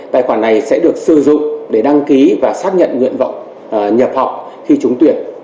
tài khoản này sẽ được sử dụng để đăng ký và xác nhận nguyện vọng nhập học khi trúng tuyển